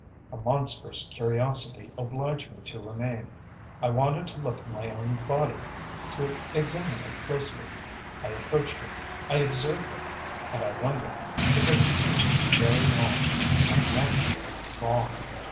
A monstrous curiosity obliged me to remain: I wanted to look at my own body, to examine it closely.... I approached it. I observed it. And I wondered because it seemed to me very long, unnaturally long....